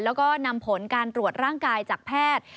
แล้วก็นำผลการตรวจร่างกายจากแพทย์